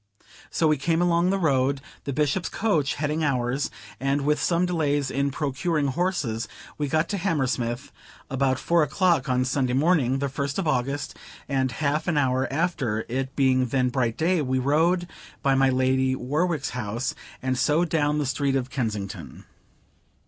So we came along the road; the Bishop's coach heading ours; and, with some delays in procuring horses, we got to Hammersmith about four o'clock on Sunday morning, the first of August, and half an hour after, it being then bright day, we rode by my Lady Warwick's house, and so down the street of Kensington.